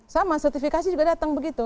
sama sertifikasi juga datang begitu